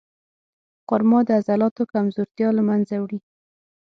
خرما د عضلاتو کمزورتیا له منځه وړي.